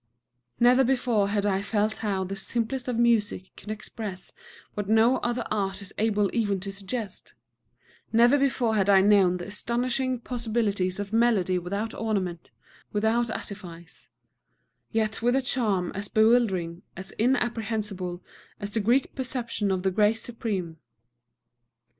Never before had I felt how the simplest of music could express what no other art is able even to suggest; never before had I known the astonishing possibilities of melody without ornament, without artifice, yet with a charm as bewildering, as inapprehensible, as the Greek perception of the grace supreme.